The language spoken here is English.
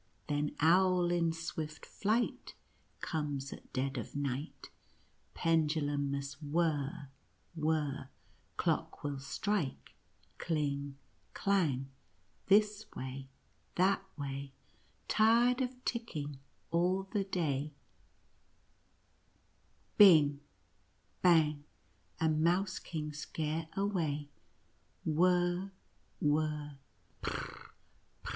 Then Owl in swift flight comes at dead of nisrht. Pendulum must whirr — whirr — Clock will strike kling — klan^ — this way — that way — tired of ticking all the day — bing — bang — and Mouse King scare away — whirr — whirr — prr — prr."